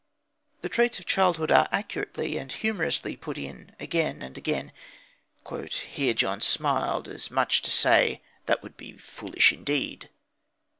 The traits of childhood are accurately and humorously put in again and again: "Here John smiled, as much as to say, 'That would be foolish indeed.'"